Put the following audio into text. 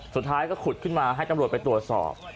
สุดท้ายก็ขุดขึ้นมาให้ตำรวจไปตรวจสอบ